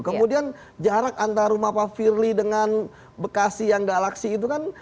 kemudian jarak antar rumah pak firly dengan bekasi yang galaksi itu kan